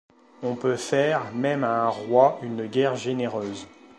On peut faire, même à un roi, une guerre généreuse.